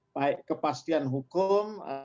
baik kepastian hukum